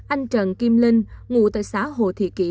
anh trần kim linh ngụ tại xã hồ thị kỷ